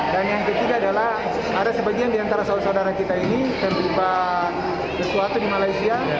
dan yang ketiga adalah ada sebagian di antara saudara saudara kita ini yang berubah sesuatu di malaysia